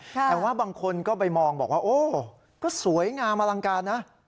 แต่ว่าบางคนก็ไปมองบอกว่าโอ้ก็สวยงามอลังการนะ